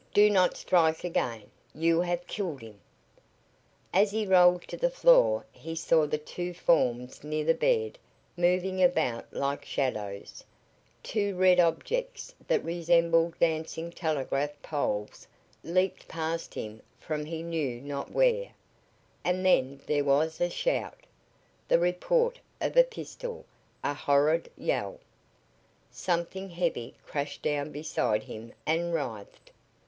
Do not strike again! You have killed him!" As he rolled to the floor he saw the two forms near the bed moving about like shadows: two red objects that resembled dancing telegraph poles leaped past him from he knew not where, and then there was a shout, the report of a pistol, a horrid yell. Something heavy crashed down beside him and writhed.